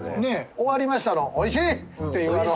終わりましたの「おいしい！」っていうあの。